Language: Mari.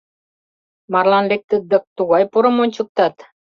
Марлан лектыт дык, тугай порым ончыктат!